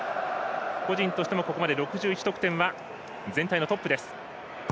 個人としてもここまで６１得点は全体のトップです。